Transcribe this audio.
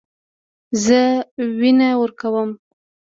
زه وینه ورکوم.